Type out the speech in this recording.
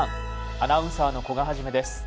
アナウンサーの古賀一です。